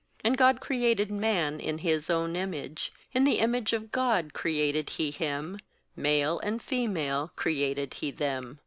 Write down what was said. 27And God created man in His own image, in the image of God created He him; male and female created He them.